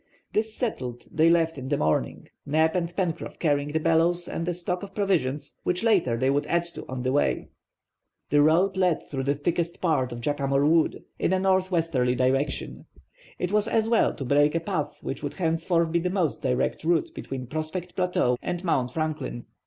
This settled, they left in the morning, Neb and Pencroff carrying the bellows and a stock of provisions, which latter they would add to on the way. The road led through the thickest part of Jacamar Wood, in a northwesterly direction. It was as well to break a path which would henceforth be the most direct route between Prospect Plateau and Mount Franklin.